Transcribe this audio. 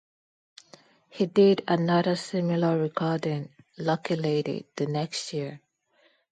He did another similar recording, Lucky Lady, the next year.